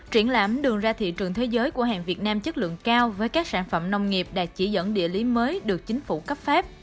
triển lãm đường ra thị trường thế giới của hàng việt nam chất lượng cao với các sản phẩm nông nghiệp đạt chỉ dẫn địa lý mới được chính phủ cấp phép